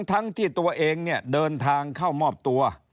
ทั้งที่ตัวเองเนี่ยเดินทางเข้ามอบตัว